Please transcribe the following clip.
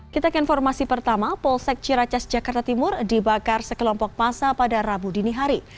kita ke informasi pertama polsek ciracas jakarta timur dibakar sekelompok masa pada rabu dini hari